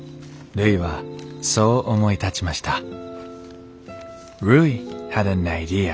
るいはそう思い立ちました。